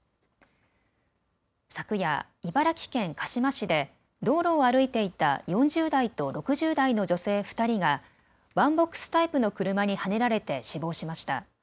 昨夜、茨城県鹿嶋市で道路を歩いていた４０代と６０代の女性２人がワンボックスタイプの車にはねられて死亡しました。